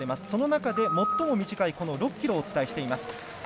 その中で最も短い６ｋｍをお伝えしています。